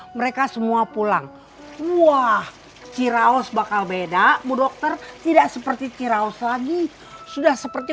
mereka semua pulang wah ciraus bakal beda bu dokter tidak seperti ciraus lagi sudah seperti